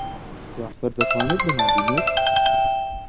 جەعفەر دەتوانێت بمانبینێت؟